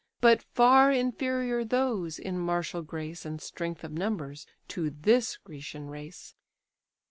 But far inferior those, in martial grace, And strength of numbers, to this Grecian race."